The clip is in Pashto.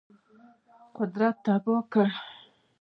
قدرت تباه کړ.